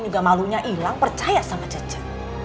juga malunya hilang percaya sama cece